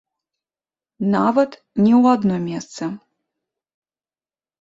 Нават не ў адно месца.